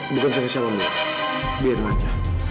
bukan siapa siapa mila biarin aja